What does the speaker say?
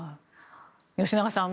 吉永さん